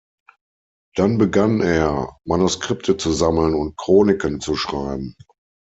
Dann begann er, Manuskripte zu sammeln und Chroniken zu schreiben.